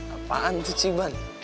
apaan tuh ciban